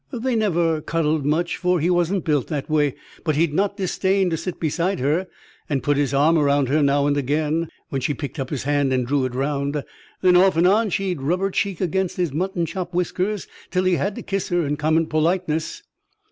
They never cuddled much, for he wasn't built that way; but he'd not disdain to sit beside her and put his arm around her now and again, when she picked up his hand and drew it round. Then, off and on, she'd rub her cheek against his mutton chop whiskers, till he had to kiss her in common politeness.